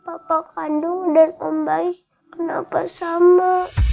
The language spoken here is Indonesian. papa kandung dan om bayi kenapa sama